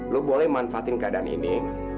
lo boleh manfaatin keadaan ini